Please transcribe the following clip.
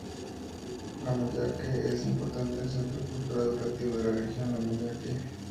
Lambayeque es un importante centro cultural y educativo de la región Lambayeque.